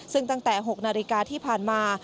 ซึ่งตั้งแต่๖นาฬิกาที่ผ่านมา